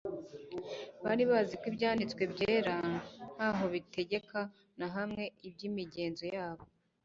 Bari bazi ko Ibyanditswe Byera nta ho bitegeka na hamwe iby'imigenzo yabo.